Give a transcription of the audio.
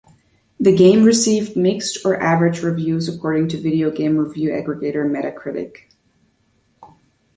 The game received "mixed or average" reviews according to video game review aggregator Metacritic.